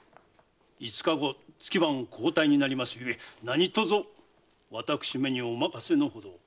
五日後月番交替になりますゆえ何とぞ私めにおまかせのほどを。